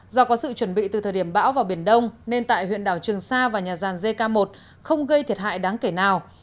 do có sự chuẩn bị từ thời điểm bão vào biển đông nên tại huyện đảo trường sa và nhà ràn jk một không gây thiệt hại đáng kể nào